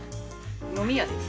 飲み屋です。